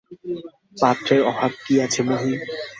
পাত্রের অভাব কী আছে মহিম।